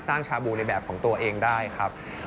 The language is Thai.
ชาบูในแบบของตัวเองได้ครับ